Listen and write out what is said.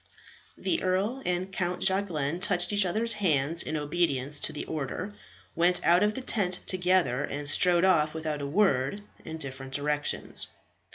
The earl and Count Jacquelin touched each other's hands in obedience to the order, went out of the tent together, and strode off without a word in different directions.